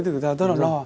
thì người ta rất là lo